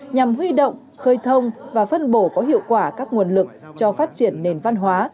nhằm huy động khơi thông và phân bổ có hiệu quả các nguồn lực cho phát triển nền văn hóa